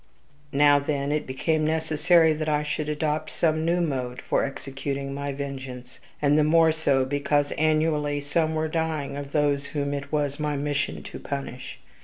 Now, then, it became necessary that I should adopt some new mode for executing my vengeance; and the more so, because annually some were dying of those whom it was my mission to punish.